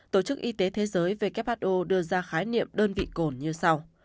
tổ chức y tế thế giới who đưa ra khái niệm đơn vị cồn như sau